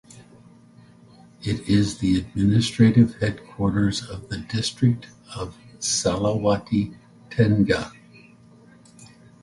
It is the administrative headquarters of the district of Salawati Tengah.